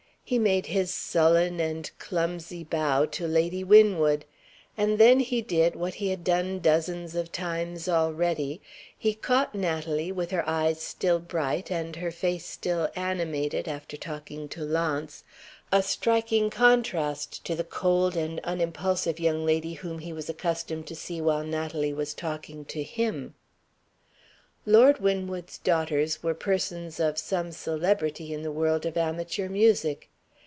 He made his sullen and clumsy bow to Lady Winwood. And then he did, what he had done dozens of times already he caught Natalie, with her eyes still bright and her face still animated (after talking to Launce) a striking contrast to the cold and unimpulsive young lady whom he was accustomed to see while Natalie was talking to him. Lord Winwood's daughters were persons of some celebrity in the world of amateur music.